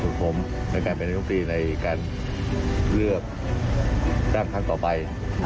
ส่วนผมในการเป็นนักหนุ่มปีในการเลือกตั้งทางต่อไป